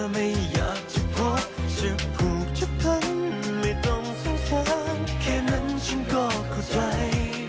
ไม่ต้องสงสัยแค่นั้นฉันก็เข้าใจ